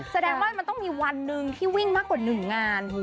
แสดงว่ามันต้องมีวันหนึ่งที่วิ่งมากกว่า๑งาน